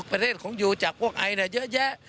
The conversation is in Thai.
ประเทศของยูจากพวกไอเยอะแยะ